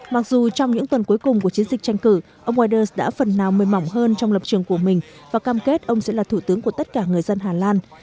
mặc dù trong những tuần cuối cùng của chiến dịch tranh cử ông widers đã phần nào mềm mỏng hơn trong lập trường của mình và cam kết ông sẽ là thủ tướng của tất cả người dân hà lan